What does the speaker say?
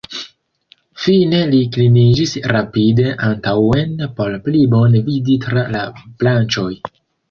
Fine li kliniĝis rapide antaŭen por pli bone vidi tra la branĉoj.